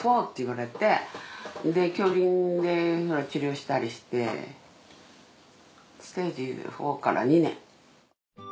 で杏林で治療したりしてステージ４から２年。